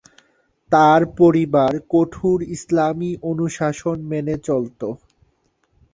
তার পরিবার কঠোর ইসলামি অনুশাসন মেনে চলত।